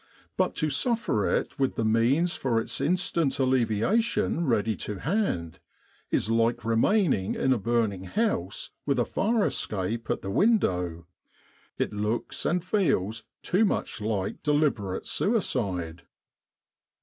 But to suffer it with the means for its instant alleviation ready to hand, is like remaining in a burning house with a fire escape at the window it looks and feels too much like deliberate suicide.